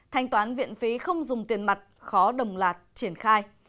thanh toán viện phí không dùng tiền mặt khó đồng lạt triển khai